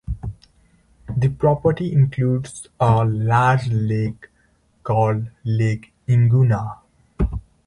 The property includes a large lake, called Lake Iguana.